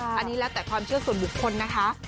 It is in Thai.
อันนี้แล้วแต่ความเชื่อส่วนบุคคลนะคะ